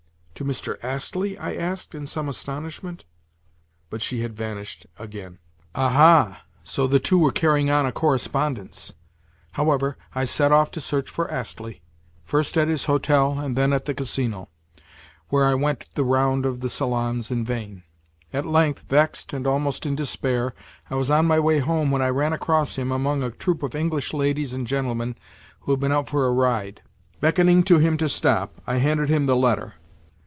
"To Mr. Astley?" I asked, in some astonishment. But she had vanished again. Aha! So the two were carrying on a correspondence! However, I set off to search for Astley—first at his hotel, and then at the Casino, where I went the round of the salons in vain. At length, vexed, and almost in despair, I was on my way home when I ran across him among a troop of English ladies and gentlemen who had been out for a ride. Beckoning to him to stop, I handed him the letter.